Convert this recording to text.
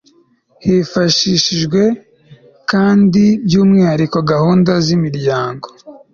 hifashishijwe kandi by umwihariko gahunda z imiryango